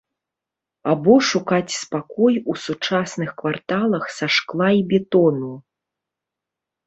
Або шукаць спакой у сучасных кварталах са шкла і бетону.